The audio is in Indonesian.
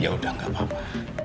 ya udah gak apa apa